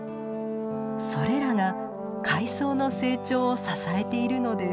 それらが海藻の成長を支えているのです。